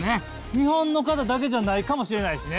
日本の方だけじゃないかもしれないですね。